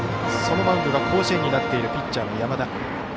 そのマウンドが甲子園になっているピッチャーの山田。